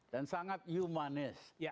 dan sangat humanis